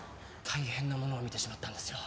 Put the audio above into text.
大変なものを見てしまったんですよ。